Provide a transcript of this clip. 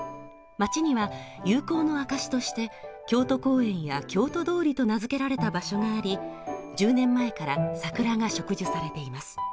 街には友好の証しとして京都公園や京都通りと名づけられた場所があり、１０年前から桜が植樹されています。